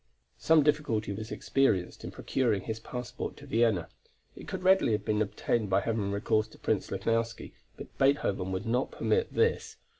Some difficulty was experienced in procuring his passport for Vienna. It could readily have been obtained by having recourse to Prince Lichnowsky, but Beethoven would not permit this.